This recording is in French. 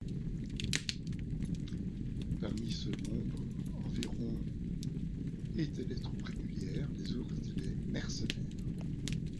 Parmi ce nombre, environ étaient des troupes régulières, les autres étaient des mercenaires.